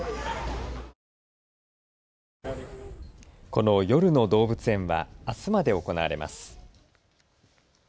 この夜の動物園はあすまで行われます。